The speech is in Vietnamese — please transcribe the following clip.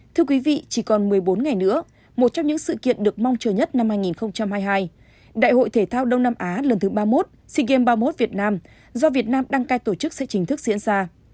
thưa quý vị chỉ còn một mươi bốn ngày nữa một trong những sự kiện được mong chờ nhất năm hai nghìn hai mươi hai đại hội thể thao đông nam á lần thứ ba mươi một sea games ba mươi một việt nam do việt nam đăng cai tổ chức sẽ chính thức diễn ra